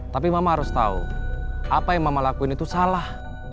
tapi mama harus tahu apa yang mama lakuin itu salah